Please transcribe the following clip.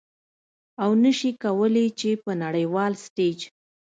او نشي کولې چې په نړیوال ستیج